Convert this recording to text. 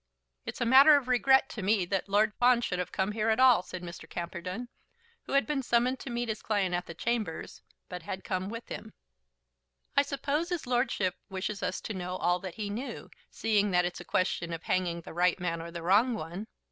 "It's a matter of regret to me that Lord Fawn should have come here at all," said Mr. Camperdown, who had been summoned to meet his client at the chambers, but had come with him. "I suppose his lordship wishes us to know all that he knew, seeing that it's a question of hanging the right man or the wrong one.